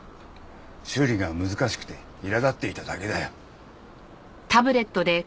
修理が難しくて苛立っていただけだよ。